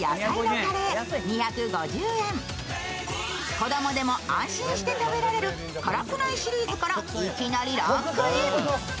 子供でも安心して食べられる辛くないシリーズからいきなりランクイン。